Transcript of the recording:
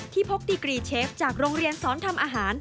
พกดีกรีเชฟจากโรงเรียนสอนทำอาหาร